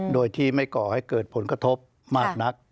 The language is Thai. โดยที่ไม่ก่อให้เกิดผลกระทบมากนัก